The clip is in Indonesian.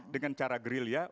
dengan cara gerilya